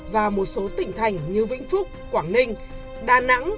và một số tỉnh thành như vĩnh phúc quảng ninh đà nẵng